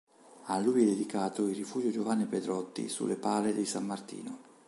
A lui è dedicato il Rifugio Giovanni Pedrotti sulle Pale di San Martino.